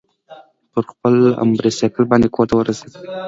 پر خپل امبرسایکل باندې کورته ورسېد.